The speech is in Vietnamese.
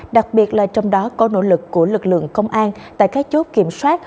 đặc biệt là trong đó có nỗ lực của lực lượng công an tại các chốt kiểm soát